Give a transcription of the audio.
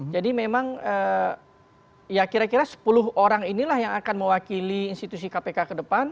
jadi memang ya kira kira sepuluh orang inilah yang akan mewakili institusi kpk ke depan